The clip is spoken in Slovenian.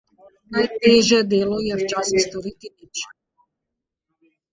Najtežje delo je včasih storiti nič.